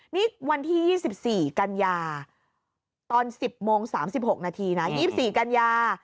นี่วันที่๒๔กันยาตอน๑๐โมง๓๖นาทีนะ๒๔กันยา